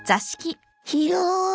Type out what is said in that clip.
広い。